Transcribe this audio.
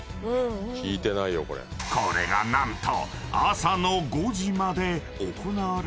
［これが何と］